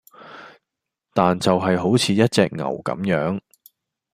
但就係好似一隻牛咁樣